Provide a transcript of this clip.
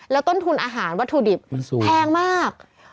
แล้วต้นทุนอาหารวัตถุดิบมันแพงมาก